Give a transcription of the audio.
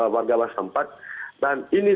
warga waspempat dan ini